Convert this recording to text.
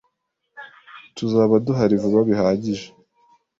Tuzaba duhari vuba bihagije